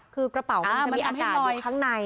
คือกระเป๋ามันจะมีอาจารย์อยู่ข้างใน